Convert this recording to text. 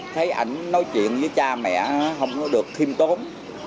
thấy ảnh nói chuyện với cha mẹ không có được khiêm tốn